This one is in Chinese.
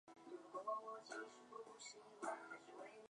邬励德也是香港会的会员。